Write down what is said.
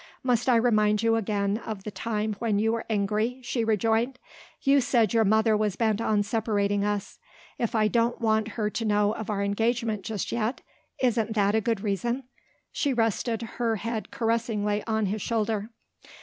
"Must I remind you again of the time when you were angry?" she rejoined. "You said your mother was bent on separating us. If I don't want her to know of our engagement just yet isn't that a good reason?" She rested her head caressingly on his shoulder.